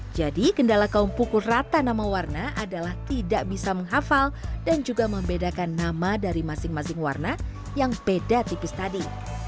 jadi gendala kaum pukul rata nama warna adalah tidak bisa menghafal dan juga membedakan nama dari masing masing warna yang beda tipis tadi